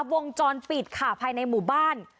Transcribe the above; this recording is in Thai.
วงจรปิดค่ะภายในหมู่บ้าน